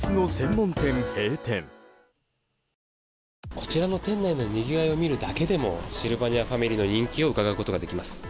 こちらの店内のにぎわいを見るだけでもシルバニアファミリーの人気をうかがうことができます。